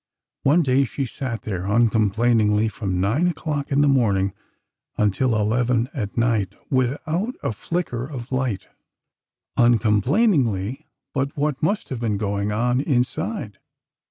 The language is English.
One day she sat there uncomplainingly, from nine o'clock in the morning until eleven at night, without a flicker of light. Uncomplainingly, but what must have been going on inside.